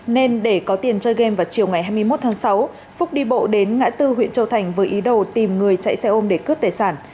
nên để có tiền chơi game vào chiều ngày hai mươi một tháng sáu phúc đi bộ đến ngã tư huyện châu thành với ý đồ tìm người chạy xe ôm để cướp tài sản